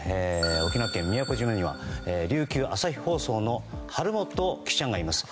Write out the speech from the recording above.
沖縄県宮古島には琉球朝日放送の濱元記者がいます。